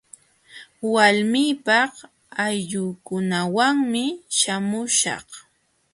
Walmiipaq ayllunkunawanmi śhamuśhaq.